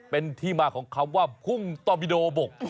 เป็นที่มาของคำว่าพุ่งตอบิโดบก